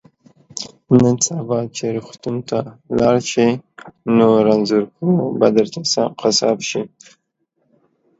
نن سبا چې روغتون ته لاړ شي نو رنځپوه به درته سم قصاب شي